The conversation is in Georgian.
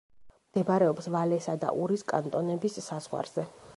მდებარეობს ვალესა და ურის კანტონების საზღვარზე.